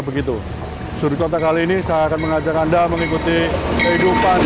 begitu suruh contoh kali ini saya akan mengajak anda mengikuti kehidupan